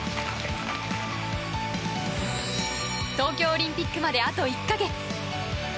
東京オリンピックまであと１か月。